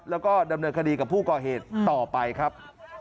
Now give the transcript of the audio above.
แล้วก็ดำเนินคดีกับผู้ก่อเหตุต่อไปครับ